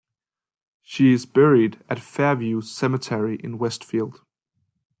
She is buried at Fairview Cemetery in Westfield.